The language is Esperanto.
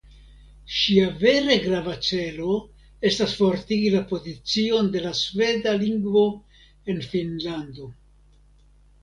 Ŝia vere grava celo estas fortigi la pozicion de la sveda lingvo en Finnlando.